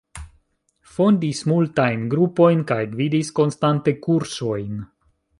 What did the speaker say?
Fondis multajn grupojn kaj gvidis konstante kursojn.